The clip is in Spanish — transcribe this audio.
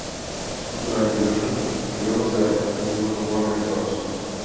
Feature Animation, que luego se fusionó con Warner Bros.